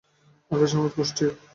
Akash Ahmed, Kushtia.